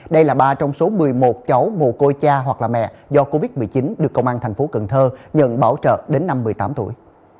đây là ba trong số một mươi một cháu mù côi cha hoặc là mẹ do covid một mươi chín được công an thành phố cần thơ nhận bảo trợ đến năm một mươi tám tuổi